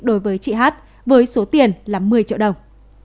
đối với chị hát với số tiền là một mươi triệu đồng